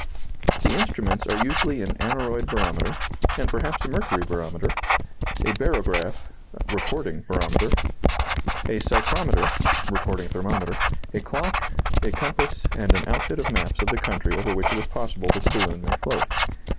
The instruments are usually an aneroid barometer, and perhaps a mercury barometer, a barograph (recording barometer), a psychrometer (recording thermometer), a clock, a compass, and an outfit of maps of the country over which it is possible that the balloon may float.